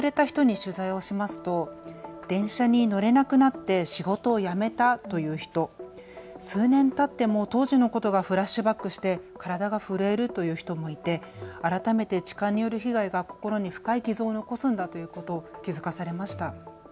声を寄せてくれた方に取材をしますと電車に乗れなくなって仕事を辞めたという人、数年たっても当時のことがフラッシュバックして体が震えるという人もいて改めて痴漢による被害が心に深い傷を残すんだということに気付かされました。